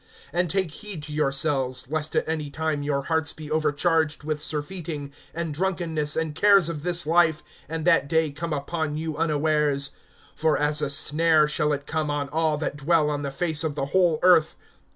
(34)And take heed to yourselves, lest at any time your hearts be overcharged with surfeiting, and drunkenness, and cares of this life, and that day come upon you unawares. (35)For as a snare shall it come on all that dwell on the face of the whole earth.